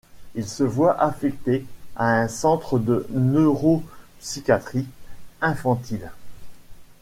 Il se voit affecté à un centre de neuropsychiatrie infantile.